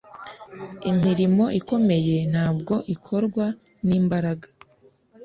imirimo ikomeye ntabwo ikorwa n'imbaraga